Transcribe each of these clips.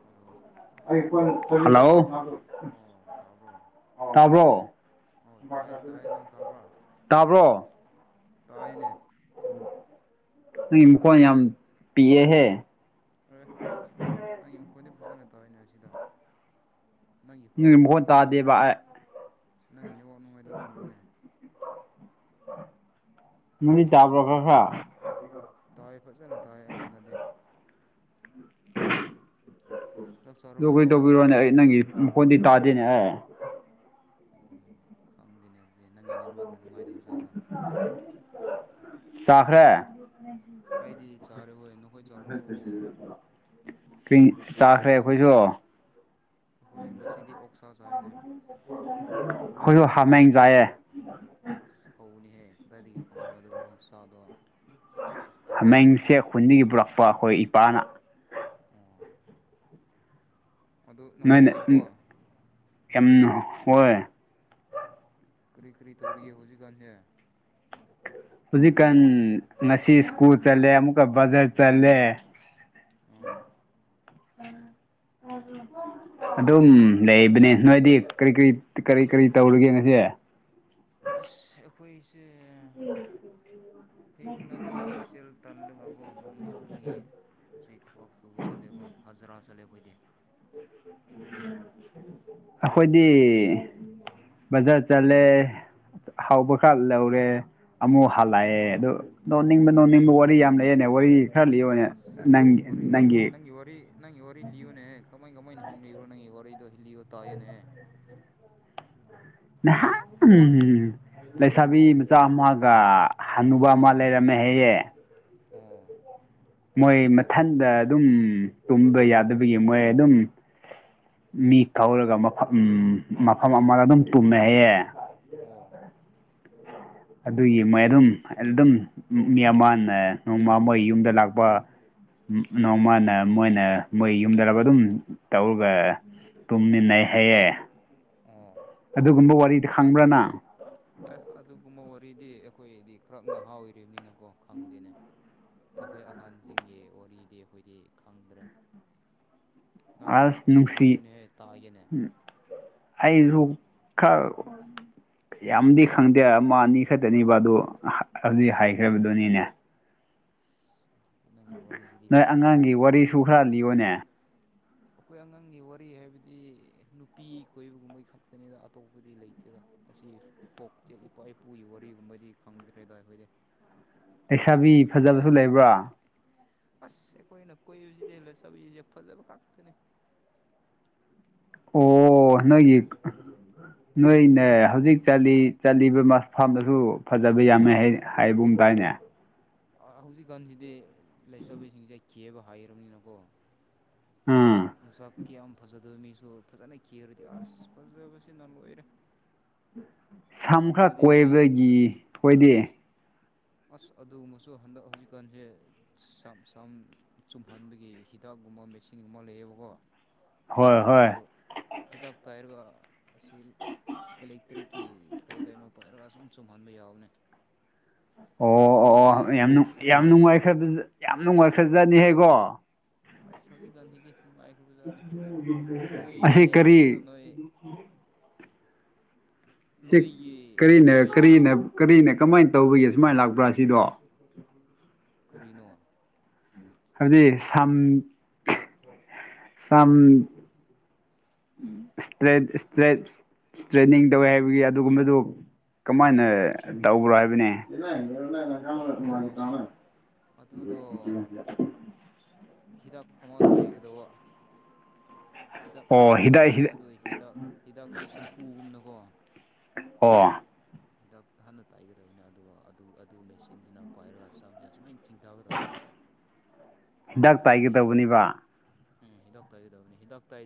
hello hello ꯑꯣ ꯇꯥꯕ꯭ꯔꯣ ꯇꯥꯕ꯭ꯔꯣ ꯑꯣ ꯇꯥꯏꯌꯦ ꯇꯥꯏꯌꯦ ꯅꯪ ꯇꯥꯕ꯭ꯔꯣ ꯇꯥꯕ꯭ꯔꯣ ꯇꯥꯏꯅꯦ ꯏꯀ ꯌꯥꯝ ꯄꯤꯦ ꯍꯦ ꯑꯦ ꯅꯪ ꯏꯪꯈꯣꯟꯗꯤ ꯐꯖꯅ ꯇꯧꯏꯅꯦ ꯑꯁꯤꯗ ꯅꯪꯒꯤ ꯐꯣꯟ ꯅꯨꯡꯉꯥꯏꯗꯕꯒꯤ ꯑꯣꯏꯔꯝꯃꯨꯅꯦ ꯅꯪꯒꯤꯅꯦ ꯑ ꯑ ꯆꯥꯛ ꯆꯥꯔꯕ꯭ꯔꯣ ꯇꯥꯏ ꯐꯖꯅ ꯇꯥꯏ ꯑꯩꯉꯣꯟꯗꯗꯤ ꯆꯥꯛ ꯑꯗꯨ ꯀꯩꯅ ꯆꯥꯔꯕ꯭ꯔꯣ ꯇꯧꯕꯤꯔꯣꯅꯦ ꯑꯩ ꯅꯪꯒꯤ ꯃꯈꯣꯟꯗꯤ ꯇꯥꯗꯦꯅꯦ ꯑꯦ ꯎꯝ ꯈꯪꯗꯦꯅꯦ ꯑꯗꯨꯗꯤ ꯅꯪꯒꯤꯅꯦ ꯂꯨꯡꯅ ꯅꯨꯡꯉꯥꯏꯗꯕꯖꯥꯠꯂꯣ ꯁꯥꯈꯔꯦ ꯑꯩꯗꯤ ꯆꯔꯦ ꯑꯣꯏꯅ ꯆꯥꯈ꯭ꯔꯦ ꯑꯩꯈꯣꯏꯁꯨ ꯑꯩꯈꯣꯏ ꯉꯁꯤꯗꯤ ꯑꯣꯛꯁꯥꯁ ꯍꯥꯏꯅꯦ ꯍꯣꯏꯁꯨ ꯍꯥꯃꯦꯡꯖꯥꯏꯌꯦꯦ ꯐꯧꯕꯅꯤꯍꯦ ꯀꯗꯥꯏꯗꯒꯤ ꯐꯪꯕꯅꯣ ꯑꯗꯨꯒꯨꯝꯕ ꯆꯥꯗꯣ ꯏꯄꯥ ꯑꯩꯈꯣꯏ ꯏꯄꯥꯅ ꯑꯣ ꯑꯗꯨ ꯅꯨꯡꯉꯥꯏꯔꯤꯨꯀꯣ ꯀꯦꯝ ꯍꯣꯏ ꯀꯔꯤ ꯀꯔꯤ ꯇꯧꯔꯤꯌꯦ ꯍꯧꯖꯤꯛꯀꯥꯟꯁꯦ ꯍꯧꯖꯤꯛꯀꯥꯟ ꯉꯁꯤ ꯁ꯭ꯀꯨꯜ ꯆꯠꯂꯦ ꯑꯃꯨꯛꯀ ꯕꯖꯥꯔ ꯆꯠꯂꯦ ꯎꯝ ꯑ ꯑꯗꯨꯝ ꯂꯩꯕꯅꯦ ꯅꯣꯏꯗꯤ ꯀꯔꯤ ꯀꯔꯤ ꯀꯔꯤ ꯀꯔꯤ ꯇꯧꯔꯒꯦ ꯉꯁꯦ ꯑꯁ ꯑꯩꯈꯣꯏ ꯎꯝ ꯍꯤꯡꯅꯕ ꯁꯦꯜ ꯇꯜꯂꯒꯒꯣ ꯅꯣꯡꯃ ꯅꯣꯡꯃꯒꯤ ꯑꯁꯤ ꯊꯕꯛ ꯁꯨꯕ ꯆꯠꯂꯦꯕ ꯍꯖꯔꯥ ꯆꯠꯂꯦ ꯑꯩꯗꯤ ꯑꯩꯈꯣꯏꯗꯤ ꯕꯖꯥꯔ ꯆꯠꯂꯦ ꯍꯥꯎꯕ ꯈꯥꯂꯎꯔꯦ ꯑꯃꯨꯛ ꯍꯜꯂꯛꯑꯦ ꯑꯗꯨ ꯅꯣꯡ ꯅꯤꯡꯕ ꯅꯣꯡꯅꯤꯡꯕ ꯋꯥꯔꯤ ꯌꯥꯝ ꯂꯩꯑꯦꯅꯦ ꯋꯥꯔꯤ ꯈꯔ ꯂꯤꯌꯣꯅꯦ ꯑꯁ ꯅꯪꯒꯤ ꯑꯣꯏ ꯑꯣꯏ ꯅꯪꯒꯤ ꯅꯪ ꯌ ꯋꯥꯔꯤꯔꯤ ꯅꯪ ꯌꯔꯤ ꯂꯌꯨꯅꯦꯦꯛ ꯀꯃꯥꯏ ꯀꯃꯥꯏꯅ ꯍꯤꯡꯅꯣꯏꯕ꯭ꯔꯣ ꯅꯪ ꯋꯥꯔꯤꯔꯩꯗꯣ ꯏꯜꯂꯤꯌꯣ ꯇꯥꯏꯌꯦꯅꯦ ꯎꯝ ꯂꯩꯁꯥꯕꯤ ꯃꯆꯥ ꯑꯃꯒ ꯍꯟꯅꯨꯕ ꯑꯃ ꯂꯩꯔꯝꯃꯦ ꯍꯌꯦ ꯎ ꯃꯣꯏ ꯃꯊꯟꯗ ꯑꯗꯨꯝ ꯇꯨꯝꯕ ꯌꯥꯗꯕꯒꯤ ꯃꯣꯏ ꯑꯗꯨꯝ ꯃꯤ ꯀꯧꯔꯒ ꯃꯐꯝ ꯎꯝ ꯃꯐꯝ ꯑꯃꯗ ꯑꯗꯨꯝ ꯇꯨꯝꯃꯦ ꯍꯥꯏꯌꯦꯦ ꯑꯣ ꯑꯗꯨꯒꯤ ꯃꯝ ꯑꯗꯨꯝ ꯃꯤ ꯑꯃꯅ ꯅꯣꯡꯃ ꯃꯣꯏ ꯌꯨꯝꯗ ꯂꯥꯛꯄ ꯅꯣꯡꯃꯅ ꯃꯣꯏꯅ ꯃꯣꯏ ꯌꯨꯝꯗꯒ ꯑꯗꯨꯝ ꯇꯧꯔꯒ ꯇꯨꯝꯃꯤꯟꯅꯩ ꯍꯥꯏꯌꯦ ꯑꯣ ꯑꯗꯨꯒꯨꯝꯕ ꯋꯥꯔꯤꯗꯤ ꯈꯪꯕ꯭ꯔꯅ ꯀꯒꯨꯝꯕ ꯋꯥꯔꯤꯗꯤ ꯑꯩꯈꯣꯏꯗꯤ ꯈꯔꯛ ꯅꯍꯥꯎ ꯑꯣꯏꯔꯤꯕꯅꯤꯅꯀꯣ ꯈꯪꯗꯦꯅꯦ ꯅꯈꯣꯏ ꯑꯍꯟꯁꯤꯡꯒꯤ ꯋꯥꯔꯤꯗꯤ ꯑꯩꯈꯣꯏꯗꯤ ꯈꯪꯗ꯭ꯔꯦ ꯅꯪ ꯑꯁ ꯐꯖꯅ ꯅꯨꯡꯁꯤ ꯂꯤꯌꯨꯅꯦꯍꯦ ꯇꯥꯒꯦꯅꯦ ꯑꯩꯁꯨ ꯈꯔ ꯌꯥꯝꯗꯤ ꯈꯪꯗꯦ ꯑꯃ ꯑꯅꯤ ꯈꯛꯇꯅꯤꯕ ꯑꯗꯨ ꯍꯧꯖꯤꯛ ꯍꯥꯏꯈ꯭ꯔꯕꯗꯨꯅꯤꯅꯦ ꯑꯁ ꯑꯗꯨꯗꯤ ꯅꯪꯒꯤ ꯋꯥꯔꯤꯁꯤꯗꯤ ꯅꯣꯏ ꯇꯦꯜꯂꯦꯍꯦ ꯑꯉꯥꯡꯒꯤ ꯋꯥꯔꯤꯁꯨ ꯈꯔ ꯂꯤꯌꯣꯅꯦ ꯑꯩꯈꯣꯏ ꯑꯉꯥꯡꯒꯤ ꯋꯥꯔꯤ ꯍꯥꯏꯕꯗꯤ ꯅꯨꯄꯤ ꯀꯣꯏꯕꯒꯨꯝꯕꯩ ꯈꯛꯇꯅꯤꯗ ꯑꯇꯣꯞꯄꯗꯤ ꯂꯩꯇꯦꯗ ꯑꯁꯤ ꯐꯣꯛ ꯇ ꯏꯄꯥ ꯏꯄꯨꯒꯤ ꯋꯥꯔꯤꯒꯨꯝꯕꯗꯤ ꯈꯪꯗ꯭ꯔꯦꯗꯏ ꯑꯩꯈꯣꯏꯗꯤ ꯂꯩꯁꯥꯕꯤ ꯐꯖꯕꯁꯨ ꯂꯩꯕ꯭ꯔꯥ ꯑꯁ ꯑꯩꯈꯣꯏꯅ ꯀꯣꯏꯏꯕꯁꯤꯗ ꯍꯦꯜꯂ ꯆꯕꯤꯁꯦ ꯐꯖꯕ ꯈꯛꯇꯅꯦ ꯑꯣ ꯅ ꯅꯣꯏꯅꯦ ꯍꯧꯖꯤꯛ ꯆꯠꯂꯤꯕ ꯃꯐꯝꯗꯁꯨ ꯐꯖꯕ ꯌꯥꯝꯃꯦ ꯍꯥꯏꯕ ꯗꯥꯏꯅꯦ ꯍꯧꯖꯤꯛꯀꯥꯟꯁꯤꯗꯤ ꯂꯩꯆꯕꯤꯁꯤꯡꯁꯦ ꯈꯦꯕ ꯍꯥꯏꯔꯕꯅꯤꯅꯀꯣ ꯑꯥ ꯃꯁꯛꯀꯤ ꯌꯥꯝ ꯐꯖꯗꯣꯏꯕ ꯃꯤꯁꯨ ꯐꯖꯅ ꯀꯦꯔꯗꯤ ꯑꯁ ꯐꯖꯕ ꯑꯣꯏꯔꯦ ꯁꯝ ꯈꯔ ꯀꯣꯏꯕꯒꯤ ꯊꯣꯏꯗꯦ ꯑꯁ ꯑꯗꯨ ꯃꯁꯨ ꯍꯟꯗꯛ ꯍꯧꯖꯤꯛꯀꯥꯟꯁꯦ ꯁꯝ ꯆꯨꯝꯍꯟꯕꯒꯤ ꯍꯤꯗꯥꯛ ꯒꯨꯝꯕ ꯃꯦꯆꯤꯟꯒꯨꯝꯕ ꯂꯩꯌꯦꯕꯀꯣ ꯍꯣꯏ ꯍꯣꯏ ꯑꯗꯨ ꯍꯤꯗꯥꯛꯇ ꯍꯥꯏꯔꯒ ꯑꯁꯤ ꯑꯦꯂꯦꯛꯇ꯭ꯔꯤꯛꯀꯤ ꯀꯩ ꯀꯩꯅꯣ ꯄꯥꯏꯔꯒ ꯁꯨꯝ ꯆꯨꯝꯍꯟꯕ ꯌꯥꯎꯅꯦ [inaudible] ꯑꯣ ꯑꯣ ꯑꯣ ꯌꯥꯝ ꯌꯥꯝ ꯅꯨꯡꯉꯥꯏ ꯌꯥꯝ ꯅꯨꯡꯉꯥꯏ ꯐꯖꯅꯤꯍꯀꯣ ꯑꯁ ꯍꯧꯖꯤꯛꯀꯥꯟꯁꯤꯗꯤ ꯅꯨꯡꯉꯥꯏꯈ꯭ꯔꯕꯖꯥꯠꯅꯤ ꯑꯁꯤꯁ ꯅꯣꯏꯗꯤ ꯀꯔꯤ ꯍꯥꯟꯅ ꯅꯣꯏ ꯁꯤ ꯅꯣꯏꯒꯤ ꯀꯔꯤꯅ ꯊꯥꯏꯅꯒꯤ ꯀꯔꯤꯅ ꯀꯔꯤꯅ ꯀꯃꯥꯏꯅ ꯇꯧꯕꯒꯤ ꯁꯨꯃꯥꯏꯅ ꯂꯥꯛꯄ꯭ꯔꯥ ꯁꯤꯗꯣ ꯀꯔꯤꯅꯣ ꯍꯥꯏꯕꯗꯤ ꯁꯝ ꯁꯝ [inaudible] ꯏꯁꯇ ꯏꯁꯇ꯭ꯔꯦ ꯏꯁꯇ꯭ꯔꯦꯅꯤꯡ ꯇꯧꯋꯦ ꯍꯥꯏꯕꯒꯤ ꯑꯗꯨꯒꯨꯝꯕꯗꯨ ꯀꯃꯥꯏꯅ ꯇꯧꯕ꯭ꯔꯣ ꯍꯥꯏꯕꯅꯦ ꯑꯣ ꯑꯗꯨꯗꯣ [unintelligible] ꯍꯤꯗꯥꯛ ꯑꯃꯛꯇ ꯑꯩꯒꯗꯧꯕ ꯍꯤꯗꯥꯛ ꯑꯣ ꯑꯃ ꯍꯤꯗꯥꯛ ꯇꯥꯏꯒꯅꯤ ꯍꯤꯗꯥꯛ ꯑꯗꯨꯣ ꯍꯤꯗꯥꯛ ꯍꯤꯗꯥꯛꯁꯦ ꯆꯝꯐꯨꯒꯨꯝꯅꯀꯣ ꯑꯣ ꯍꯤꯗꯥꯛ ꯍꯥꯟꯅ ꯇꯥꯏꯒꯗꯕꯅꯤꯅꯦ ꯑꯗꯨꯒ ꯑꯗꯨ ꯑꯗꯨ ꯃꯦꯆꯤꯟꯁꯤꯅ ꯄꯥꯏꯔꯒ ꯁꯝꯁꯦ ꯑꯨꯃꯥꯏꯅ ꯆꯤꯡꯊꯒꯗꯕ ꯍꯤꯗꯥꯛ ꯑꯗꯨꯗꯤ ꯇꯥꯏꯒꯗꯧꯕꯅꯦꯕ ꯎꯝ ꯍꯤꯗꯥꯛ ꯇꯥꯒꯗꯕꯅꯤ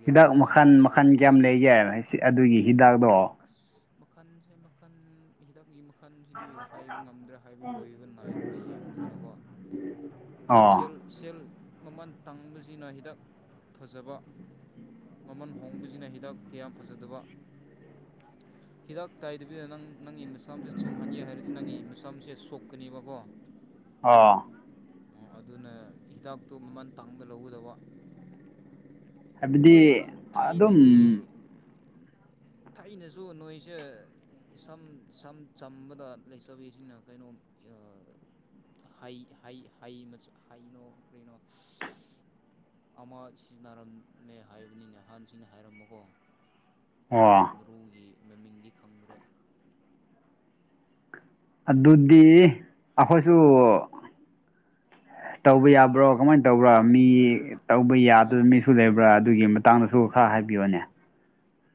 ꯍꯤꯗꯥꯛ ꯃꯈꯜ ꯃꯈꯜ ꯀꯌꯥꯝ ꯂꯩꯒꯦ ꯑꯗꯨꯒꯤ ꯍꯤꯗꯥꯛꯇꯣ ꯃꯈꯟꯁꯦ ꯃꯈꯜ ꯍꯤꯗꯥꯛꯒꯤ ꯃꯈ ꯃꯈꯜꯁꯤꯗꯤ ꯍꯥꯏꯕ ꯉꯝꯗ꯭ꯔꯦ ꯍꯥꯏꯕ ꯂꯣꯏꯕ ꯅꯥꯏꯔꯔꯣꯏ ꯌꯥꯝꯕꯅꯤꯅꯀꯣ ꯑꯣ ꯦꯜ ꯁꯦꯜ ꯃꯃꯜ ꯇꯥꯡꯕꯁꯤꯅ ꯍꯤꯗꯥꯛ ꯐꯖꯕ ꯃꯃꯜ ꯍꯣꯡꯕꯁꯤꯅ ꯍꯤꯗꯥꯛ ꯀꯌꯥꯝ ꯐꯖꯗꯕ ꯍꯤꯗꯥꯛ ꯇꯥꯏꯗꯕꯤꯗ ꯅꯪ ꯅꯪꯒꯤ ꯃꯤꯁꯥꯝꯁꯦ ꯆꯨꯝꯍꯟꯒꯦ ꯍꯥꯏꯔꯗꯤ ꯅꯪꯒꯤ ꯃꯤꯁꯥꯝꯁꯦ ꯁꯣꯛꯀꯅꯦꯕꯀꯣ ꯑꯥ ꯑꯣ ꯑꯗꯨꯅ ꯍꯤꯗꯥꯛꯇꯣ ꯃꯃꯜ ꯇꯥꯡꯅ ꯂꯧꯒꯗꯕ ꯍꯥꯏꯕꯗꯤ ꯃꯣꯏ ꯑꯗꯨꯝ ꯊꯩꯅꯁꯨ ꯅꯣꯏꯁꯦ ꯏꯁꯝ ꯁꯝ ꯆꯝꯕꯗ ꯂꯩꯆꯕꯤꯁꯤꯡꯅ ꯀꯩꯅꯣ ꯍ ꯍ ꯍ ꯍꯩꯅꯣ ꯀꯅꯣ ꯑꯃ ꯁꯤꯖꯤꯟꯅꯔꯝꯃꯦ ꯍꯥꯏꯕꯅꯤꯅꯦ ꯑꯍꯥꯟꯁꯤꯡꯅ ꯍꯥꯏꯔꯝꯕꯀꯣ ꯑꯗꯨ ꯑꯣ ꯃꯔꯨꯒꯤ ꯃꯃꯤꯡꯗꯤ ꯈꯪꯗ꯭ꯔꯦ ꯑꯗꯨꯗꯤ ꯑꯩꯈꯣꯏꯁꯨ ꯇꯧꯕ ꯌꯥꯕ꯭ꯔꯣ ꯀꯃꯥꯏꯅ ꯇꯧꯕ꯭ꯔꯥ ꯃꯤ ꯇꯧꯕ ꯑꯦ ꯌꯥꯗꯕ ꯃꯤꯁꯨ ꯂꯩꯕ꯭ꯔꯥ ꯑꯗꯨꯒꯤ ꯃꯇꯥꯡꯗꯁꯨ ꯈꯔ ꯍꯥꯏꯕꯤꯌꯣꯅꯦ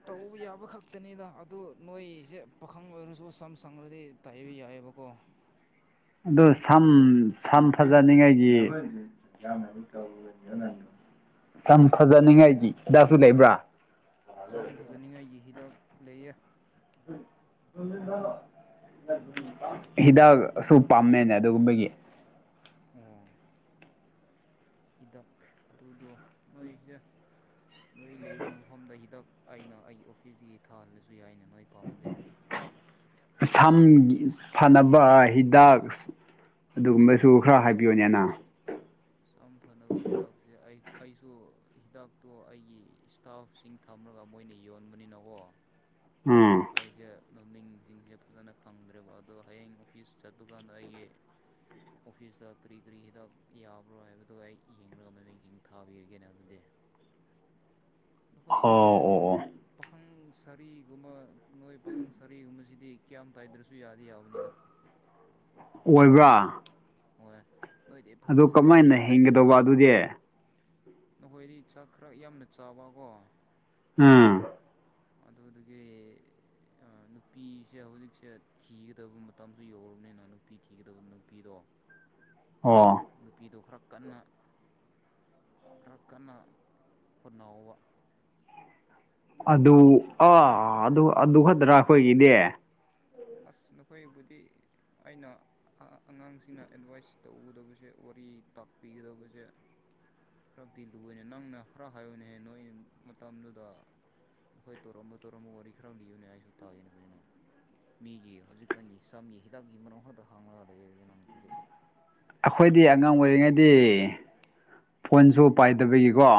ꯇꯧꯕ ꯌꯥꯕ ꯈꯛꯇꯅꯤꯅ ꯑꯗꯨ ꯅꯣꯏꯁꯦ ꯄꯥꯈꯪ ꯑꯣꯏꯔꯁꯨ ꯁꯝ ꯁꯪꯉ꯭ꯔꯗꯤ ꯇꯥꯏꯕ ꯌꯥꯏ ꯂꯩꯕ ꯀꯣ ꯑꯗꯨ ꯁꯝ ꯁꯝ ꯐꯖꯅꯤꯡꯉꯥꯏꯒꯤ ꯌꯥꯝ ꯃꯅꯤ ꯀ ꯑꯣꯏ ꯁꯝ ꯐꯖꯅꯤꯡꯉꯥꯏꯗꯤ ꯗꯥꯁꯨ ꯂꯩꯕ꯭ꯔꯥ ꯁꯝ ꯐꯖꯅꯤꯡꯉꯥꯏꯒꯤꯍꯤꯤꯗ ꯂꯩꯌꯦ ꯍꯤꯗꯥ ꯁꯨ ꯄꯥꯝꯃꯦ ꯅ ꯑꯗꯨꯒꯨꯝꯕꯒꯤ ꯎꯝ ꯍꯤꯗꯥꯛ ꯑꯗꯨꯗꯣ ꯅꯣꯏꯁꯦ ꯅꯣꯏ ꯂꯩꯕ ꯃꯐꯝꯗ ꯍꯤꯗꯥꯛ ꯑꯩꯅ ꯑꯩꯒꯤ ꯑꯣꯐꯤꯁꯒꯤ ꯊꯥꯍꯜꯂꯁꯨ ꯌꯥꯏꯅ ꯅꯣꯏ ꯄꯥꯝꯃꯗꯤ ꯊꯝ ꯐꯅꯕ ꯍꯤꯗꯥꯛ ꯑꯗꯨꯒꯨꯝꯕꯁꯨ ꯈꯔ ꯍꯥꯏꯕꯤꯌꯣꯅꯦꯅ ꯁꯝ ꯐꯅꯕ ꯍꯤꯗꯥꯛꯁꯦ ꯑꯩ ꯑꯩꯁꯨ ꯍꯤꯗꯥꯛꯇꯣ ꯑꯩꯒꯤ ꯏꯁꯇꯥꯐꯁꯤꯡ ꯊꯝꯔꯒ ꯃꯣꯏꯅ ꯌꯣꯟꯕꯅꯤꯅꯀꯣ ꯑꯩꯁꯦ ꯑ ꯃꯃꯤꯡꯁꯤꯡꯁꯦ ꯐꯖꯅ ꯈꯪꯗ꯭ꯔꯦꯕ ꯑꯗꯣ ꯍꯌꯦꯡ ꯑꯣꯐꯤꯁ ꯆꯠꯇꯨꯀꯥꯟꯗ ꯑꯩꯒꯤ ꯑꯣꯐꯤꯁꯗ ꯀꯔꯤ ꯀꯔꯤ ꯍꯗ ꯌꯥ ꯭ꯔꯣ ꯍꯥꯏꯕꯗꯣ ꯑꯩ ꯌꯦꯡꯂꯒ ꯃꯃꯤꯡꯁꯤꯡ ꯊꯥꯕꯤꯔꯒꯦꯅ ꯑꯗꯨꯗꯤ ꯑꯣ ꯑꯩꯈꯣꯏꯁꯦ ꯑꯣ ꯑꯣ ꯄꯥꯈꯪ ꯁꯔꯤꯒꯨꯝꯕ ꯅꯣꯏ ꯄꯥꯈꯪ ꯁꯔꯤꯒꯨꯝꯕꯁꯤꯗꯤ ꯀꯌꯥꯝ ꯇꯥꯏꯗ꯭ꯔꯁꯨ ꯌꯥꯗꯤ ꯌꯥꯕꯅꯤꯗ [unintelligible] ꯑꯣꯏꯕ꯭ꯔꯥ ꯍ ꯑꯗꯨ ꯀꯃꯥꯏꯅ ꯍꯤꯡꯒꯗꯧꯕ ꯑꯗꯨꯗꯤ ꯅꯈꯣꯏꯗꯤ ꯆꯥꯛ ꯈꯔ ꯌꯥꯝꯅ ꯆꯥꯕ ꯀꯣ ꯑꯝ ꯃꯗꯨꯗꯨꯒꯤ ꯅꯨꯄꯤꯁꯦ ꯍꯧꯖꯤꯛꯁꯦ ꯊꯤꯒꯗꯕ ꯃꯇꯝꯁꯨ ꯌꯧꯔꯕꯅꯤꯅ ꯅꯨꯄꯤ ꯊꯤꯒꯗꯕ ꯅꯨꯄꯤꯗꯣ ꯑꯣ ꯅꯨꯄꯤꯗꯣ ꯈꯔ ꯀꯟꯅ ꯈꯔ ꯀꯟꯅ ꯍꯣꯠꯅꯍꯧꯕ ꯑꯗꯨ ꯑꯥ ꯑꯗꯨ ꯑꯗꯨ ꯈꯛꯇ꯭ꯔꯥ ꯑꯩꯈꯣꯏꯒꯤꯗꯤ ꯑꯁ ꯅꯈꯣꯏꯕꯨꯗꯤ ꯑꯩꯅ ꯑꯉꯥꯡꯁꯤꯡꯅ ꯑꯦꯗꯚꯥꯏꯁ ꯇꯧꯒꯗꯕꯁꯦ ꯑꯣꯠ ꯑꯩ ꯇꯥꯛꯄꯤꯒꯗꯧꯕꯁꯦ ꯈꯔꯗꯤ ꯂꯨꯅꯦ ꯅꯪꯅ ꯈꯔ ꯍꯥꯏꯌꯑꯣꯅꯦ ꯍꯦ ꯅꯣꯏ ꯃꯇꯝꯗꯨꯗ ꯍꯣꯏ ꯇꯧꯔꯝꯕ ꯇꯧꯔꯝꯕ ꯋꯥꯔꯤ ꯈꯔ ꯂꯤꯌꯨꯅꯦ ꯑꯩꯁꯨ ꯇꯥꯒꯦꯅ ꯀꯩꯅꯣ ꯃꯤꯒꯤ ꯍꯧꯖꯤꯛꯀꯥꯟꯒꯤ ꯆꯝꯒꯤ ꯍꯤꯗꯥꯛꯀꯤ ꯃꯔ ꯈꯛꯇ ꯍꯥꯡꯉꯒ ꯂꯩꯦꯁꯦ ꯅꯪ ꯁꯤꯗꯤ ꯑꯩꯈꯣꯏꯗꯤ ꯑꯉꯥꯡ ꯑꯣꯏꯔꯤꯉꯩꯗꯤ ꯐꯣꯟꯁꯨ ꯄꯥꯏꯗꯕꯒꯤꯀꯣ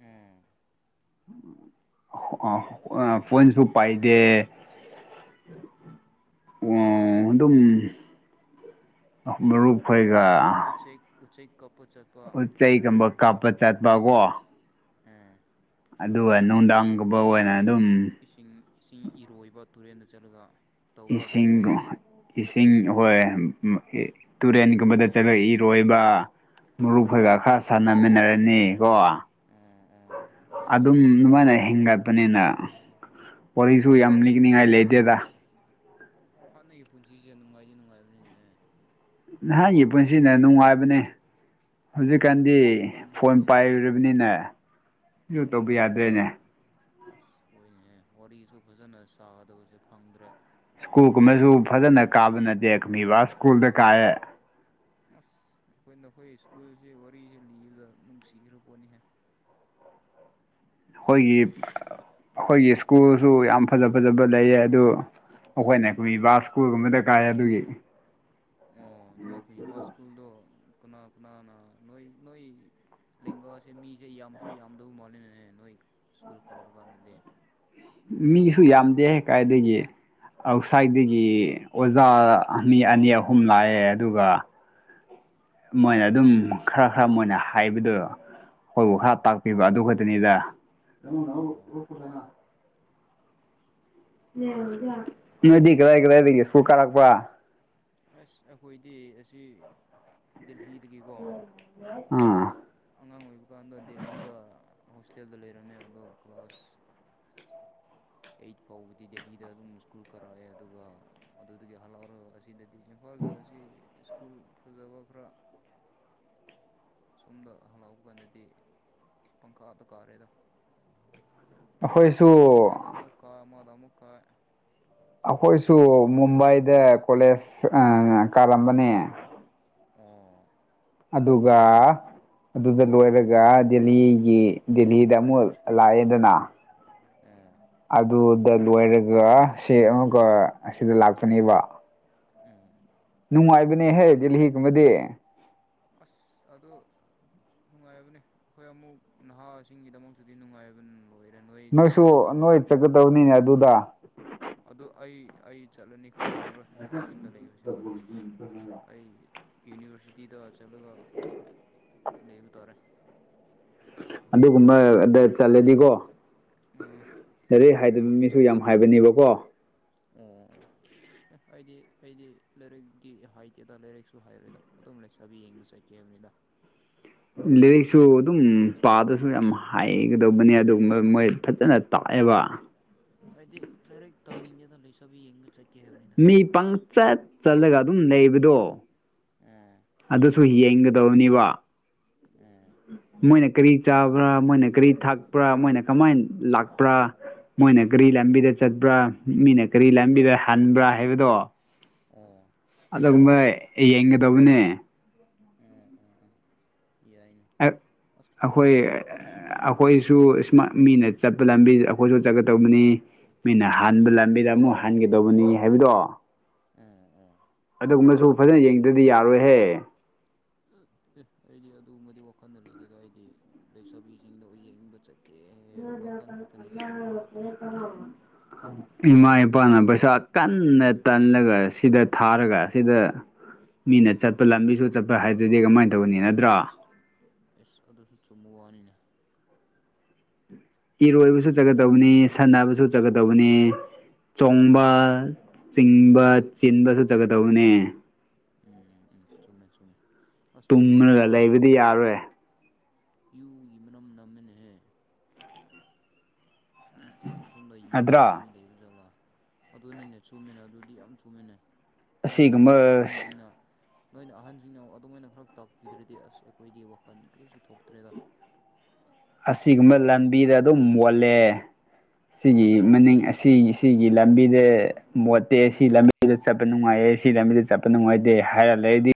ꯎꯝ ꯑ ꯑ ꯐꯣꯟꯁꯨ ꯄꯥꯏꯗꯦ ꯑꯣ ꯑꯗꯨꯝ ꯃꯔꯨꯞ ꯈꯣꯏ ꯑꯗꯨꯒ ꯎꯆꯦꯛ ꯎꯆꯦꯛ ꯀꯥꯞꯄ ꯄꯣ ꯆꯠꯄ ꯆꯩꯒꯕ ꯀꯥꯞꯄ ꯆꯠꯄ ꯀꯣ ꯎꯝ ꯑꯗꯨꯒ ꯅꯨꯡꯗꯥꯡꯒꯨꯝꯕ ꯑꯣꯏꯅ ꯑꯗꯨꯝ ꯏꯁꯤꯡ ꯏꯁꯤꯡ ꯏꯔꯣꯏꯕ ꯇꯨꯔꯦꯟꯗ ꯆꯠꯂꯒ ꯇꯧꯕ꯭ꯔꯣ ꯏꯁꯤꯡ ꯑꯗꯨꯒꯨꯝꯕ ꯏꯁꯤꯡ ꯍꯣꯏ ꯇꯨꯔꯦꯟꯒꯨꯝꯕꯗ ꯆꯠꯂꯛꯏꯔꯣꯏꯕ ꯃꯔꯨꯞ ꯐꯩꯒ ꯎꯝ ꯈꯔ ꯁꯥꯟꯅꯃꯤꯟꯅꯔꯅꯤ ꯀꯣ ꯎꯝ ꯎꯝ ꯑꯁ ꯑꯗꯨꯝ ꯅꯨꯡꯉꯥꯏꯅ ꯍꯦꯟꯒꯠꯄꯅꯤꯅ ꯄꯣꯁꯨ ꯌꯥꯝ ꯂꯤꯅꯤꯛꯅꯤꯉꯥꯏ ꯂꯩꯇꯦꯗ ꯍꯠꯅꯩꯒꯤ ꯄꯨꯟꯁꯤꯁꯦ ꯅꯨꯡꯉꯥꯏꯁꯦ ꯅꯨꯡꯉꯥꯏꯕꯅꯤꯅꯦ ꯅꯍꯥꯛꯒꯤ ꯄꯨꯟꯁꯤꯗ ꯅꯨꯡꯉꯥꯏꯕꯅꯦ ꯍꯣꯏꯅꯦ ꯍꯧꯖꯤꯛꯀꯥꯟꯗꯤ ꯑꯁ ꯐꯣꯟ ꯍꯧꯖꯤꯛꯀꯥꯟꯁꯤꯗꯤ ꯄꯥꯏꯔꯨꯔꯕꯅꯤꯅꯦ ꯌꯨ ꯇꯧꯕ ꯎꯝ ꯌꯥꯗ꯭ꯔꯦꯅꯦ ꯑꯁ ꯍꯅꯦꯍꯦ ꯋꯥꯔꯤꯁꯨ ꯐꯖꯅ ꯆꯥꯒꯗꯕꯁꯦ ꯐꯪꯗ꯭ꯔꯦ ꯁ꯭ꯀꯨꯜ ꯀꯨꯝꯕꯁꯨ ꯐꯖꯅ ꯀꯥꯕ ꯅ ꯗꯦꯃꯤꯕ ꯁ꯭ꯀꯨꯜꯗ ꯀꯥꯏꯑꯦ ꯑꯁ ꯑꯩꯈꯣꯏ ꯅꯈꯣꯏ ꯁ꯭ꯀꯨꯜꯁꯦ ꯋꯥꯔꯤꯁꯤꯦ ꯂꯤꯕꯗ ꯅꯨꯡꯁꯤꯈ꯭ꯔ ꯄꯣꯠꯅꯤꯍꯦ [inaudible] ꯑꯩꯈꯣꯏꯒꯤ ꯑꯩꯈꯣꯏꯒꯤ ꯁ꯭ꯀꯨꯜꯁꯨ ꯌꯥꯝ ꯐꯖ ꯐꯖꯕ ꯂꯩꯌꯦ ꯑꯗꯨ ꯑꯩꯈꯣꯏꯅ ꯀꯕꯤ ꯁꯀꯨꯜꯒꯨꯝꯕꯗ ꯀꯥꯏ ꯑꯗꯨꯒꯤ ꯑꯣ ꯅꯣꯏ ꯀꯕꯥ ꯁꯀꯨꯜꯗ ꯀꯅꯥ ꯀꯅꯥꯅ ꯅꯣꯏ ꯅꯣꯏ ꯂꯦꯡꯒꯥꯁꯦ ꯃꯤꯁꯦ ꯌꯥꯝꯁꯨ ꯌꯥꯝꯗꯧ ꯃꯥꯜꯂꯤꯅꯦ ꯅꯣꯏ ꯁ꯭ꯀꯨꯜ ꯀꯥꯞꯕ ꯀꯥꯟꯗꯗꯤ ꯃꯤꯁꯨ ꯌꯥꯝꯗꯦ ꯀꯥꯏꯗꯒꯤ ꯑꯥꯎꯠꯁꯥꯏꯗꯒꯤ ꯑꯣꯖꯥ ꯃꯤ ꯑꯅꯤ ꯑꯍꯨꯝ ꯂꯥꯛꯑꯦ ꯑꯗꯨꯒ ꯃꯣꯏꯅ ꯑꯗꯨꯝ ꯈꯔ ꯈꯔ ꯃꯣꯏꯅ ꯍꯥꯏꯕꯗ ꯑꯩꯈꯣꯏꯕꯨ ꯑꯣ ꯈꯔ ꯇꯥꯛꯄꯤꯕ ꯑꯗꯨ ꯈꯛꯇꯅꯤꯗ ꯑꯣ ꯉꯗꯤ ꯀꯗꯥꯏ ꯀꯗꯥꯏꯗꯤ ꯁꯨ ꯀꯥꯔꯛꯄ ꯑꯁ ꯑꯩꯈꯣꯏꯗꯤ ꯑꯁꯤ ꯗꯜꯂꯤꯗꯒꯤꯀꯣ ꯑꯥ ꯑꯉꯥꯡ ꯑꯣꯏꯕ ꯀꯥꯟꯗ ꯗꯦꯍꯤꯗ ꯍꯣꯁꯇꯦꯜꯗ ꯂꯩꯔꯝꯃꯦ ꯑꯗꯣ ꯀ꯭ꯂꯥꯁ ꯑꯩꯠ ꯐꯥꯎꯕꯗꯤ ꯗꯦꯜꯂꯤꯗ ꯑꯗꯨꯝ ꯁ꯭ꯀꯨꯜ ꯀꯥꯔꯛꯑꯦ ꯑꯗꯨꯒ ꯑꯗꯨꯗꯨꯒꯤ ꯍꯜꯂꯛꯑꯣ ꯑꯁꯤꯗ ꯍꯥꯏꯗꯤ ꯏꯝꯐꯥꯜꯗ ꯑꯁꯤ ꯁ꯭ꯀꯨꯜ ꯐꯖꯕ ꯈꯔ ꯁꯣꯝꯗ ꯍꯜꯂꯥꯎꯕ ꯀꯥꯟꯗꯗꯤ ꯄꯪꯈꯥꯗ ꯀꯥꯔꯦꯗ ꯑꯩꯈꯣꯏꯁꯨ ꯑꯃꯥꯗ ꯑꯃꯀꯥ ꯑꯃꯥꯗ ꯑꯃꯨꯀꯥ ꯑꯩꯈꯣꯏꯁꯨ ꯃꯨꯝꯕꯥꯏꯗ ꯀꯣꯂꯦꯖ ꯀꯥꯂꯝꯝꯕꯅꯦ ꯑꯣ ꯑꯗꯨꯒ ꯑꯗꯨꯗ ꯂꯣꯏꯔꯒ ꯗꯦꯜꯂꯤꯒꯤ ꯗꯦꯍꯤꯗ ꯑꯃꯨꯛ ꯂꯥꯛꯑꯦꯗꯅ ꯑꯣ ꯑꯗꯨꯗ ꯗ ꯂꯣꯏꯔꯒ ꯁꯤ ꯑꯃꯛꯀ ꯑꯁꯤꯗ ꯂꯥꯛꯀꯅꯦꯕ ꯑꯣ ꯅꯨꯡꯉꯥꯏꯕꯅꯦꯍꯦ ꯗꯗꯤꯍꯤꯒꯨꯝꯕꯗꯤ ꯑꯁ ꯑꯗꯨꯗ ꯅꯨꯡꯉꯥꯏꯕꯅꯦ ꯑꯩꯈꯣꯏ ꯑꯃꯨꯛ ꯅꯍꯥꯁꯤꯡꯒꯤꯗꯃꯛꯇꯗꯤ ꯅꯨꯡꯉꯥꯏꯕ ꯂꯣꯏꯔꯦ ꯅꯣꯏꯗꯤ ꯅꯣꯏꯁꯨ ꯈꯔ ꯑꯍꯟ ꯅꯣꯏ ꯑꯣꯏꯔꯕꯅꯤꯅ ꯆꯠꯀꯗꯕꯅꯤꯅꯦ ꯑꯗꯨꯗ ꯑꯗꯨ ꯑꯩ ꯑꯩ ꯆꯂꯅꯤ ꯀꯨꯏꯔꯔꯣꯏ ꯑꯁꯣꯝꯗ ꯂꯩꯕꯁꯦ ꯑꯩ ꯌꯨꯅꯤꯚꯔꯁꯤꯇꯤꯗ ꯆꯂꯒ ꯂꯩꯕ ꯇꯥꯔꯦ ꯑꯗꯨꯒꯨꯝꯕꯗ ꯆꯠꯂꯗꯤꯀꯣ ꯎꯝ ꯑꯗꯩ ꯍꯥꯏꯗꯕ ꯃꯤꯁꯨ ꯌꯥꯝ ꯍꯥꯏꯕꯅꯦꯕꯀꯣ ꯎꯝ ꯑꯦ ꯑꯩꯗꯤ ꯑꯩꯗꯤ ꯂꯥꯏꯔꯤꯛꯀꯤ ꯍꯥꯏꯇꯦꯗ ꯂꯥꯏꯔꯤꯛꯁꯨ ꯍꯥꯏꯔꯣꯏꯗ ꯑꯗꯨꯝ ꯂꯩ ꯆꯕꯤ ꯌꯦꯡꯕ ꯆꯠꯀꯦꯕ ꯎꯗ ꯂꯥꯏꯔꯤꯛꯁꯨ ꯑꯗꯨꯝ ꯄꯥꯗꯁꯨ ꯌꯥꯝ ꯍꯥꯏꯒꯗꯧꯕꯅꯤ ꯑꯗꯨꯒ ꯃꯣꯏ ꯐꯖꯅ ꯇꯥꯛ ꯑꯦꯕ ꯍꯥꯏꯗꯤ ꯂꯥꯏꯔꯤꯛ ꯇꯝꯅꯤꯡꯒꯦꯗ ꯂꯩꯣꯏꯁꯕꯤ ꯌꯦꯡꯕ ꯆꯠꯀꯦ ꯍꯥꯏꯕꯅꯤꯗ ꯃꯤ ꯄꯪꯆꯠ ꯆꯠꯂꯒ ꯑꯗꯨꯝ ꯂꯩꯕꯗꯣ ꯎꯝ ꯑꯗꯨꯁꯨ ꯌꯦꯡꯒꯗꯧꯅꯤꯕ ꯃꯣꯏꯅ ꯀꯔꯤ ꯆꯥꯕ꯭ꯔꯥ ꯃꯣꯏꯅ ꯀꯔꯤ ꯊꯥꯛꯄ꯭ꯔꯥ ꯃꯣꯏꯅ ꯀꯃꯥꯏꯅ ꯂꯥꯛꯄ꯭ꯔꯥ ꯃꯣꯏꯅ ꯀꯔꯤ ꯂꯝꯕꯤꯗ ꯆꯠꯄ꯭ꯔꯥ ꯃꯤꯅ ꯀꯔꯤ ꯂꯝꯕꯤꯗ ꯍꯟꯕ꯭ꯔꯥ ꯍꯥꯏꯕꯗꯣ ꯎꯝ ꯂꯚꯩ ꯑꯩ ꯌꯦꯡꯒꯗꯕꯅꯦ ꯎꯝ ꯎꯝ ꯎꯝ ꯑꯩꯈꯣꯏ ꯑꯩꯈꯣꯏꯁꯨ ꯏꯁꯃꯥ ꯃꯤꯅ ꯆꯠꯄ ꯂꯝꯕꯤ ꯑꯩꯈꯣꯏꯁꯨ ꯆꯠꯀ ꯇꯧꯕꯅꯤ ꯃꯤꯅ ꯍꯥꯟꯕ ꯂꯝꯕꯤꯗ ꯑꯃꯨꯛ ꯍꯟꯒꯗꯧꯕꯅꯤ ꯍꯥꯏꯕꯗꯣ ꯎꯝ ꯎꯝ ꯑꯗꯨꯒꯨꯝꯕꯁꯨ ꯐꯖꯅ ꯌꯦꯡꯗꯗꯤ ꯌꯥꯔꯣꯏꯍꯦ ꯎ ꯎ ꯑꯩꯗꯤ ꯑꯗꯨꯃꯗꯤ ꯋꯥꯈꯜꯅ ꯂꯩꯖꯦꯗ ꯑꯩꯗꯤ ꯂꯩꯁꯥꯕꯤꯁꯤꯡꯗ ꯌꯦꯡꯅꯤꯡꯕ ꯆꯠ ꯀꯇ ꯏꯃꯥ ꯏꯄꯥꯅ ꯄꯩꯁꯥ ꯀꯟꯅ ꯇꯜꯂꯒ ꯁꯤꯗ ꯊꯥꯔꯒ ꯁꯤꯗ ꯃꯤꯅ ꯆꯠꯄ ꯂꯝꯕꯤꯁꯨ ꯆꯠꯄ ꯍꯥꯏꯗꯨꯗꯤ ꯀꯃꯥꯏꯅ ꯇꯧꯕꯅꯤ ꯅꯠꯇ꯭ꯔꯣ ꯏꯁ ꯑꯗꯨꯁꯨ ꯆꯨꯝꯃꯨ ꯋꯥꯅꯤꯅꯦ ꯑꯗꯨꯗꯤ ꯏꯔꯣꯏꯕꯁꯨ ꯆꯨꯝꯃꯦ ꯆꯠꯀꯗꯧꯕꯅꯤ ꯁꯥꯟꯅꯕꯁꯨ ꯆꯠꯀꯗꯧꯕꯅꯤ ꯆꯣꯡꯕ ꯎꯝ ꯆꯤꯡꯕ ꯆꯤꯟꯕꯁꯨ ꯆꯠꯒꯗꯧꯕꯅꯦ ꯎꯝ ꯎꯝ ꯎꯝ ꯆꯨꯝꯃꯦ ꯆ ꯇꯨꯡꯉꯒ ꯂꯩꯕꯗꯤ ꯌꯥꯔꯣꯏ ꯌꯨ ꯏꯃꯅꯝ ꯅꯃꯤꯟ ꯍ ꯑꯁꯣꯝꯗ ꯌꯨ ꯅꯠꯇ꯭ꯔꯥ ꯊꯥꯛꯄ ꯃꯤ ꯂꯩꯕ ꯖꯠꯂꯥ ꯑꯗꯨꯅꯤꯅꯦ ꯆꯨꯝꯃꯦꯅ ꯑꯗꯨꯗꯤ ꯌꯥꯝ ꯆꯨꯝꯃꯦꯅꯦ ꯃꯣꯏꯅ ꯈꯔ ꯑꯁꯤꯒꯨꯝꯕ ꯑꯍꯟꯁꯤꯡꯅ ꯅꯣꯏꯅ ꯑꯍꯟꯁꯤꯡꯅ ꯑꯗꯨꯃꯥꯏꯅ ꯈꯔ ꯇꯥꯛꯄꯤꯗ꯭ꯔꯗꯤ ꯑꯁ ꯑꯩꯈꯣꯏꯗꯤ ꯋꯥꯈꯜ ꯀꯔꯤꯁꯨ ꯊꯣꯛꯇ꯭ꯔꯦꯗ [unintelligible] ꯑꯁꯤꯒꯨꯝꯕ ꯂꯝꯕꯤꯗ ꯑꯗꯨꯝ ꯃꯣꯜꯂꯦ ꯁꯤꯒꯤ ꯃꯅꯤꯡ ꯑꯁꯤꯒꯤ ꯁꯤꯒꯤ ꯂꯝꯕꯤꯗ ꯃꯣꯠꯇꯦ ꯁꯤ ꯂꯝꯕꯤꯗ ꯆꯠꯄ ꯅꯨꯡꯉꯥꯏꯌꯦ ꯁꯤ ꯂꯝꯕꯤꯗ ꯆꯠꯄ ꯅꯨꯡꯉꯥꯏꯇꯦ ꯍꯥꯏꯔ ꯂꯩꯔꯗꯤ